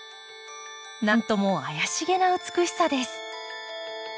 何ともあやしげな美しさです。